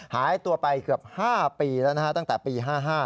หายตัวไปเกือบ๕ปีตั้งแต่๕๕ปี